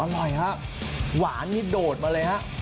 อร่อยครับหวานนี่โดดมาเลยฮะ